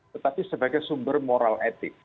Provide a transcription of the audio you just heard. tetapi sebagai sumber moral etik